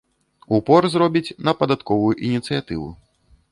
Упор зробіць на падатковую ініцыятыву.